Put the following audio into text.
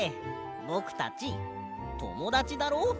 ぼくたちともだちだろ。